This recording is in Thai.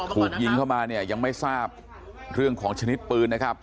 ถูกยิงเข้ามาเนี่ยยังไม่ทราบเรื่องของชนิดปืนนะครับ